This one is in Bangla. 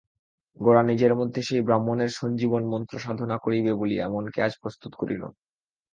গোরা নিজের মধ্যে সেই ব্রাহ্মণের সঞ্জীবন-মন্ত্র সাধনা করিবে বলিয়া মনকে আজ প্রস্তুত করিল।